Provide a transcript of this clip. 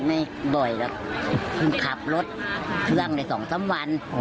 ไม่บ่อยว่ากลับรถเครื่องใน๒๓วัน